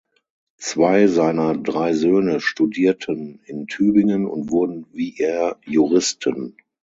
Zwei seiner drei Söhne studierten in Tübingen und wurden wie er Juristen.